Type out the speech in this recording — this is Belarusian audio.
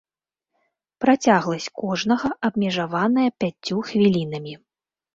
Працягласць кожнага абмежаваная пяццю хвілінамі.